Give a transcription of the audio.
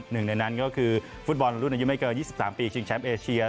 หนึ่งในนั้นก็คือฟุตบอลรุ่นอายุไม่เกิน๒๓ปีชิงแชมป์เอเชีย